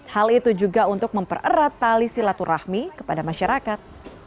hal itu juga untuk mempererat tali silaturahmi kepada masyarakat